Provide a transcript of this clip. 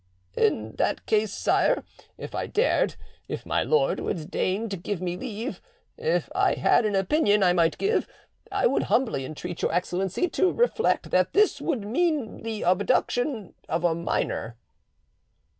"In that case, sire, if I dared—if my lord would deign to give me leave—if I had an opinion I might give, I would humbly entreat your Excellency to reflect that this would mean the abduction of a minor."